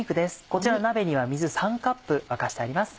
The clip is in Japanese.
こちら鍋には水３カップ沸かしてあります。